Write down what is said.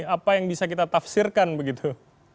apa yang bisa kita tafsirkan begitu